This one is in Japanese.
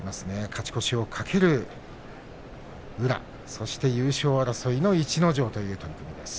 勝ち越しを懸ける宇良そして、優勝争いの逸ノ城という取組です。